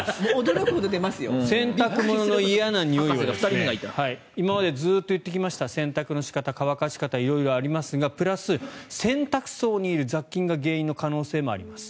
洗濯物の嫌なにおい今までずっと言ってきた洗濯の仕方、乾かし方たくさんありますがプラス、洗濯槽にいる雑菌が原因の可能性もあります。